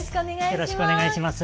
よろしくお願いします。